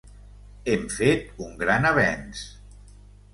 Hem fet un gran avenç.